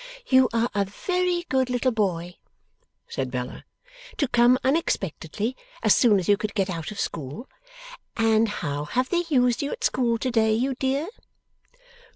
'You are a very good little boy,' said Bella, 'to come unexpectedly, as soon as you could get out of school. And how have they used you at school to day, you dear?